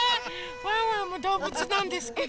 ワンワンもどうぶつなんですけど。